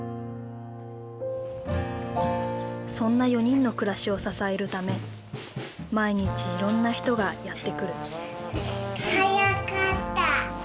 そんな４人の暮らしを支えるため毎日いろんな人がやって来る。